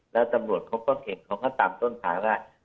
แล้วสำรวจเขาก็เห็นเขาก็ตามต้นทางแล้ว